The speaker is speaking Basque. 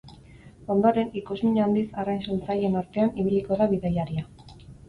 Ondoren, ikusmin handiz arrain saltzaileen artean ibiliko da bidaiaria.